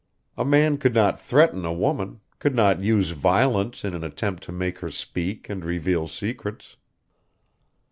A man could not threaten a woman, could not use violence in an attempt to make her speak and reveal secrets.